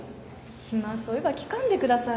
今そいば聞かんでください。